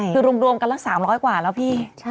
คือรวมกันละ๓๐๐กว่าแล้วพี่